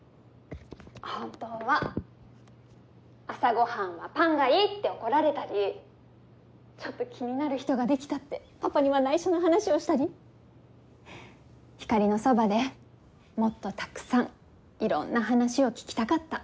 本当は「朝ごはんはパンがいい」って怒られたり「ちょっと気になる人ができた」ってパパには内緒の話をしたりひかりのそばでもっとたくさんいろんな話を聞きたかった。